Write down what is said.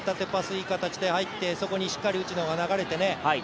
いい形で入って、そこに内野が流れてね。